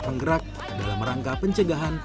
penggerak dalam rangka pencegahan